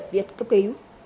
nhập viết cấp ký